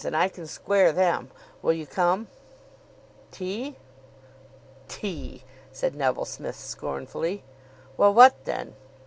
And I can square them. Will you come?" "Tea?" "Tea!" said Neville Smith scornfully. "Well, what then?"